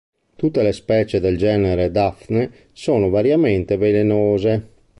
Tutte le specie del genere Daphne sono variamente velenose.